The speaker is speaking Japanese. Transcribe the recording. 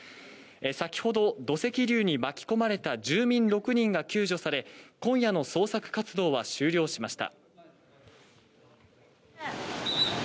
先ほど、土石流に巻き込まれた住民６人が救助され今夜の捜索活動は終了しました。